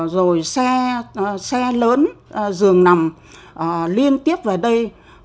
rồi xe lớn dường nằm liên tiếp về đây